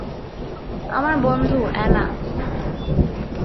আমার বন্ধু, অ্যানা।